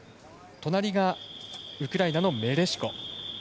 隣がウクライナのメレシコ。